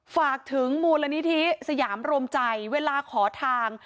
ฝากถึงมูลนิธิสยามรวมใจเวลาขอทาง